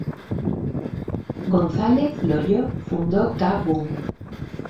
González Loyo fundó ¡Ka-Boom!